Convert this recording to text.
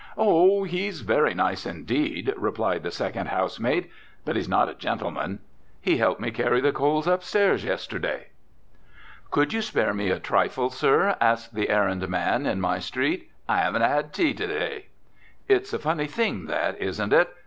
"Oh, he's very nice indeed," replied the second housemaid. "But he's not a gentleman. He helped me carry the coals upstairs yesterday." "Could you spare me a trifle, sir?" asked the errand man in my street. "I haven't had tea today." It's a funny thing, that; isn't it?